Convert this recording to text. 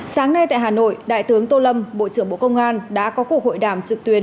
sáng nay tại hà nội đại tướng tô lâm bộ trưởng bộ công an đã có cuộc hội đàm trực tuyến